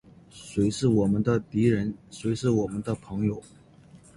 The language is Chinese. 谁是我们的敌人？谁是我们的朋友？